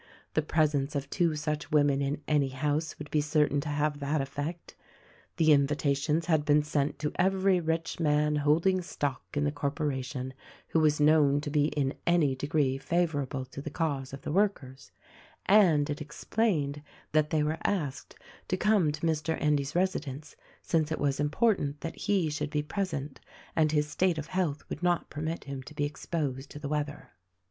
The presence of two such women in any house would be certain to have that effect. The invitations had been sent to even rich man holding stock in the corporation who was known to be in any degree favorable to the cause of the workers, and it explained that they were asked to come to Mr. Endy's residence since it was iqo THE RECORDING AXGEL important that he should be present, and his state of health would not permit him to be exposed to the weather.